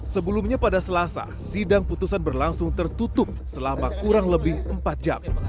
sebelumnya pada selasa sidang putusan berlangsung tertutup selama kurang lebih empat jam